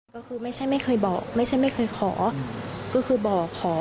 ก็คือไม่ใช่ไม่เคยบอกไม่ใช่ไม่เคยขอก็คือบอกขอ